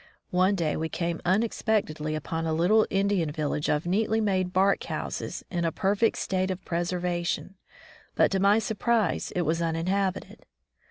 One day we came unexpectedly upon a little Indian village of neatly made bark houses in a perfect state of preservation, but to my surprise it was uninhabited.